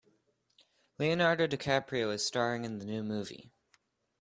Leonardo DiCaprio is staring in the new movie.